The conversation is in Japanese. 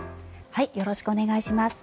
よろしくお願いします。